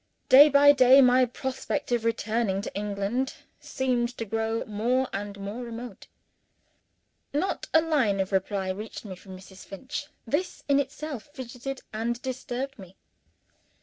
Day by day, my prospect of returning to England seemed to grow more and more remote. Not a line of reply reached me from Mrs. Finch. This in itself fidgeted and disturbed me.